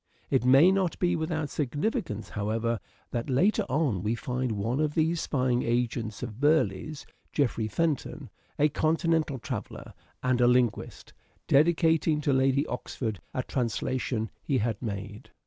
It may not be without significance, however, that later on we find one of those spying agents of Burleigh's, Geoffrey Pent on, a continental traveller and a linguist, dedicating to Lady Oxford a translation he had made.